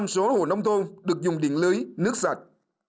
một trăm linh số hồ nông thôn được dùng điện lưới nước sạch